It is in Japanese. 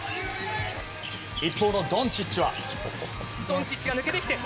一方のドンチッチは。